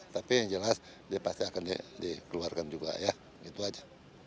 tapi yang jelas dia pasti akan dikeluarkan juga ya gitu aja